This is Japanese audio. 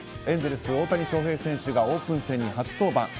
エンゼルス、大谷翔平選手がオープン戦に初登板。